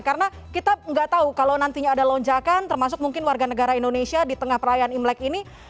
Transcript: karena kita nggak tahu kalau nantinya ada lonjakan termasuk mungkin warga negara indonesia di tengah perayaan imlek ini